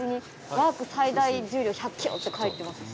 「ワーク最大重量１００ｋｇ」って書いてますし。